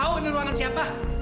gue gak tau ini ruangan siapa